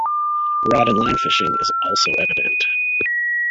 Rod and line fishing is also evident.